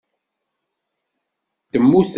Temmutem?